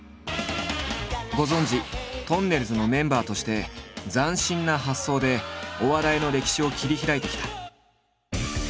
ご存じとんねるずのメンバーとして斬新な発想でお笑いの歴史を切り開いてきた。